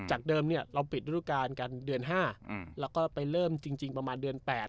จากเดิมเนี้ยเราปิดรูปการณ์กันเดือนห้าอืมแล้วก็ไปเริ่มจริงจริงประมาณเดือนแปด